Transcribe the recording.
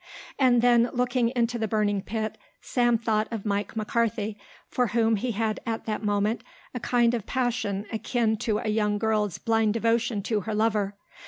And then, looking into the burning pit, Sam thought of Mike McCarthy, for whom he had at that moment a kind of passion akin to a young girl's blind devotion to her lover.